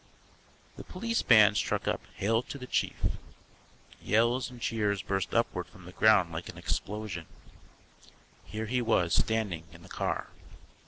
The Police Band struck up "Hail to the Chief." Yells and cheers burst upward from the ground like an explosion. Here he was, standing in the car.